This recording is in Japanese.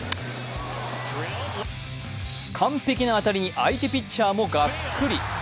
完璧な当たりに相手ピッチャーもがっくり。